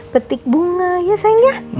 petik bunga ya sayangnya